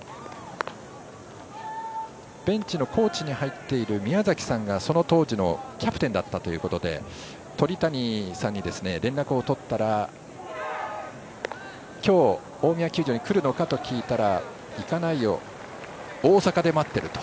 ベンチのコーチに入っている宮崎さんがその当時のキャプテンだったということで鳥谷さんに連絡を取ったら、今日大宮球場に来るのかと聞いたら行かないよ、大阪で待ってると。